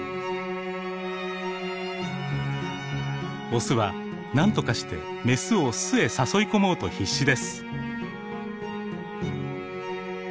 オスはなんとかしてメスを巣へ誘い込もうと必死です。